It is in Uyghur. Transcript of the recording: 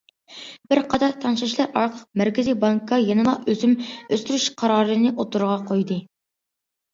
بىر قاتار تەڭشەشلەر ئارقىلىق مەركىزى بانكا يەنىلا ئۆسۈم ئۆستۈرۈش قارارىنى ئوتتۇرىغا قويدى.